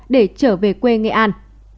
để trở về quê nghệ an